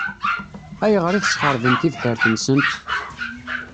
Ayɣer i tesxeṛbem tibḥirt-nsent?